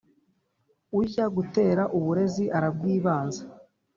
Ujya gutera uburezi arabwibanza.